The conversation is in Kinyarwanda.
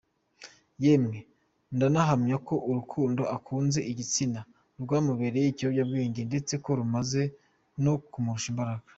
Yemwe ndanahamya ko urukundo akunze igitsina rwamubereye ikiyobyabwenge ndetse ko rumaze no kumurusha imbaraga.